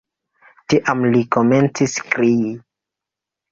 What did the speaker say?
Tiam li komencis krii.